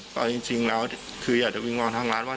ก็จริงแล้วคืออยากจะวิงวอนทางร้านว่า